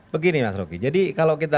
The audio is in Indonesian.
begini mas roky jadi kalau kita